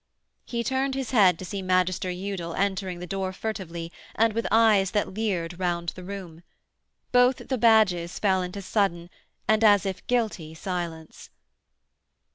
He turned his head to see Magister Udal entering the door furtively and with eyes that leered round the room. Both the Badges fell into sudden, and as if guilty, silence.